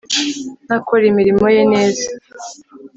ntakore imirimo ye neza